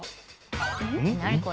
何これ？